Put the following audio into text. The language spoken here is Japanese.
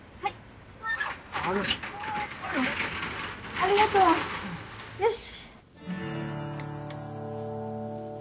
ありがとうよし！